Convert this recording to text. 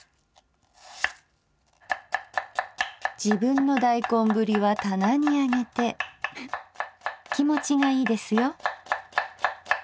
「自分の大根ぶりはたなにあげて気持ちがいいですよ」。